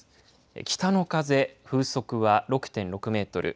北の風、風速は６．６メートル。